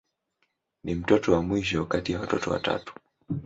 Ni mtoto wa mwisho kati ya watoto watatu.